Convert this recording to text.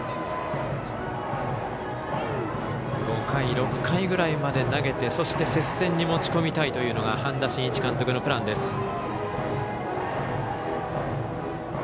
５回６回ぐらいまで投げてそして、接戦に持ち込みたいというのが半田真一監督のプランです。